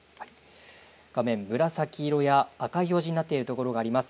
画面、紫色や赤い表示になっているところがあります。